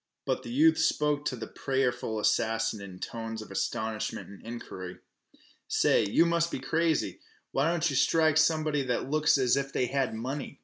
But the youth spoke to the prayerful assassin in tones of astonishment and inquiry. "Say, you must be crazy! Why don't yeh strike somebody that looks as if they had money?"